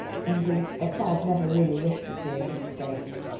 Indeed, the cloud never really lifted during his stay.